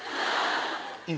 今？